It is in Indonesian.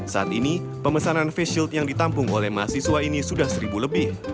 saat ini pemesanan face shield yang ditampung oleh mahasiswa ini sudah seribu lebih